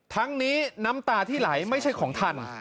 ทั้งนี้น้ำตาที่ไหลไม่ใช่ของท่าน